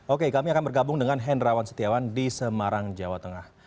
oke kami akan bergabung dengan hendrawan setiawan di semarang jawa tengah